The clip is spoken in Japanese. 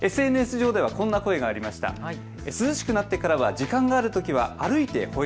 ＳＮＳ上ではこんな声がありました。